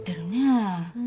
うん。